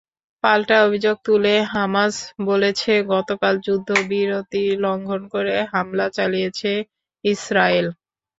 পাল্টা অভিযোগ তুলে হামাস বলেছে, গতকাল যুদ্ধবিরতি লঙ্ঘন করে হামলা চালিয়েছে ইসরায়েল।